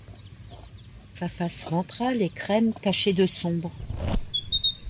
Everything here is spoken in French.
Sa face ventrale est crème taché de sombre.